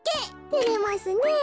てれますねえ。